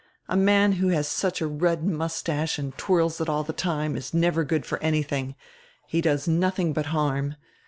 A man who has such a red moustache and twirls it all die time is never good for anything, he does nothing but harm.